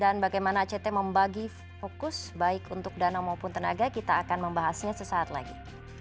dan bagaimana act membagi fokus baik untuk dana maupun tenaga kita akan membahasnya sesaat lagi